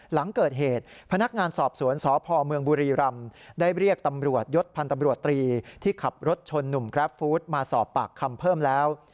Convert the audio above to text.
หลังเกิดเหตุพนักงานสอบสวนสพเมืองบุรีรำได้เรียกตำรวจยศพันธ์ตำรวจตรีที่ขับรถชนหนุ่มกราฟฟู้ดมาสอบปากคำเพิ่มแล้ว